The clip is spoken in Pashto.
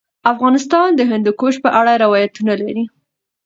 افغانستان د هندوکش په اړه روایتونه لري.